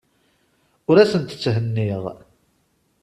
Ur asent-tthenniɣ.